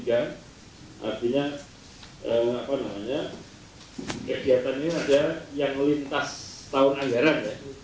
artinya kegiatannya ada yang melintas tahun anggaran